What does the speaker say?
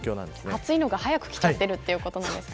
暑いのが早く来ているということなんですか。